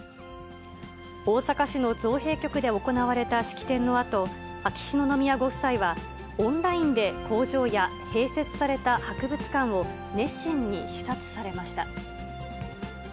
大阪市の造幣局で行われた式典のあと、秋篠宮ご夫妻は、オンラインで工場や併設された博物館を熱心に視察されました。